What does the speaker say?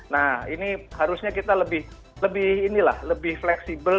nah ini harusnya kita lebih fleksibel